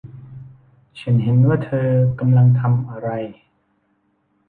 ฉันเห็นว่าเธอกำลังทำอะไร